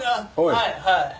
はいはい？